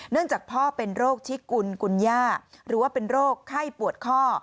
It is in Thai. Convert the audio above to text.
จากพ่อเป็นโรคชิกุลกุญย่าหรือว่าเป็นโรคไข้ปวดข้อ